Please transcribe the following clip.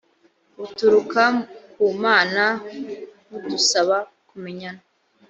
buturuka ku mana budusaba kumenyana